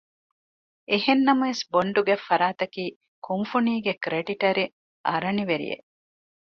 އެހެންނަމަވެސް ބޮންޑު ގަތްފަރާތަކީ ކުންފުނީގެ ކްރެޑިޓަރެއް އަރަނިވެރި އެއް